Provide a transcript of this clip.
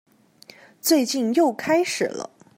最近又開始了